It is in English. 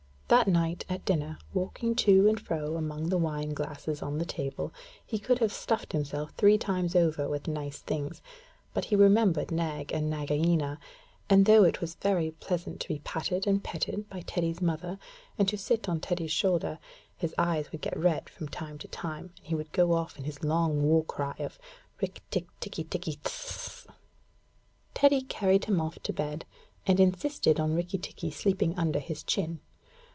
That night, at dinner, walking to and fro among the wine glasses on the table, he could have stuffed himself three times over with nice things; but he remembered Nag and Nagaina, and though it was very pleasant to be patted and petted by Teddy's mother, and to sit on Teddy's shoulder, his eyes would get red from time to time, and he would go off into his long war cry of 'Rikk tikk tikki tikki tchk!' Teddy carried him off to bed, and insisted on Rikki tikki sleeping under his chin.